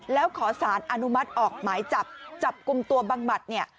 แล้วขอสารอนุมัติออกหมายจับจับกลุ่มตัวบังหมัดเนี่ย